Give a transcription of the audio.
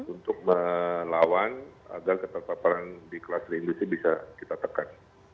untuk melawan agar keterpaparan di kluster industri bisa kita tekan